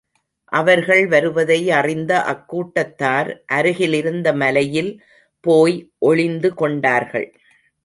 அவர்கள் வருவதை அறிந்த அக்கூட்டத்தார் அருகில் இருந்த மலையில் போய் ஒளிந்து கொண்டார்கள்.